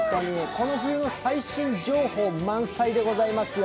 この冬の最新情報満載でございますよ。